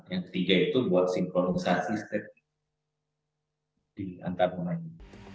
yang ketiga itu buat sinkronisasi step di antar online